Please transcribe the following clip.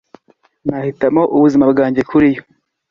nahitamo ubuzima bwanjye kuri yo